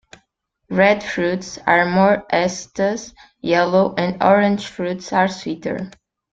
Red fruits are more acetous, yellow and orange fruits are sweeter.